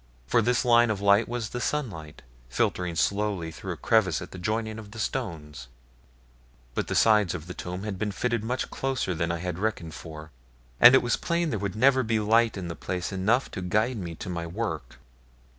For this line of light was the sunlight, filtering slowly through a crevice at the joining of the stones; but the sides of the tomb had been fitted much closer than I reckoned for, and it was plain there would never be light in the place enough to guide me to my work.